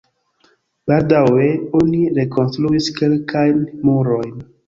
Baldaŭe oni rekonstruis kelkajn murojn.